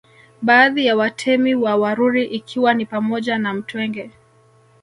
Baadhi ya Watemi wa Waruri ikiwa ni pamoja na Mtwenge